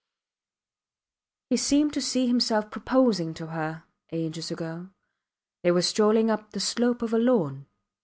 He seemed to see himself proposing to her ages ago. They were strolling up the slope of a lawn.